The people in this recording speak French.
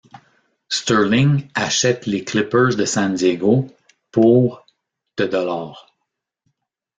Sterling achète les Clippers de San Diego pour de dollars.